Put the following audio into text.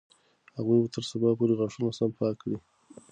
هغوی به تر سبا پورې غاښونه سم پاک کړي وي.